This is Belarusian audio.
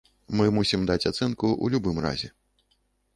Мы мусім даць ацэнку ў любым разе.